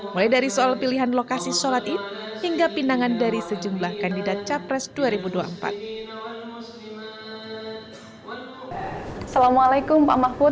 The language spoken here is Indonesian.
mulai dari soal pilihan lokasi sholat id hingga pindangan dari sejarah